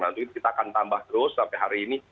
nanti kita akan tambah terus sampai hari ini